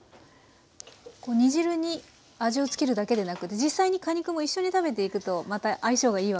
煮汁に味を付けるだけでなく実際に果肉も一緒に食べていくとまた相性がいいわけですね。